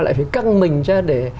lại phải căng mình ra để